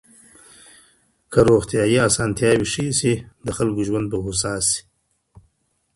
که روغتيايي اسانتياوي ښې سي د خلګو ژوند به هوسا سي.